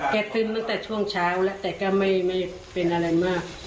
ขึ้นตั้งแต่ช่วงเช้าแล้วแต่ก็ไม่เป็นอะไรมาก